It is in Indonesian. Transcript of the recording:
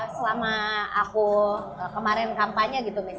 selama aku kemarin kampanye gitu